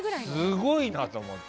すごいなと思って。